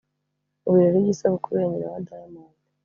Mu birori by’isabukuru ya nyina wa Diamond